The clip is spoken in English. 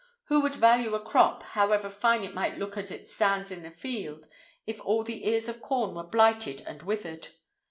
Who would value a crop, however fine it might look as it stands in the field, if all the ears of corn were blighted and withered?